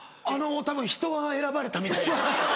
たぶん人は選ばれたみたいで。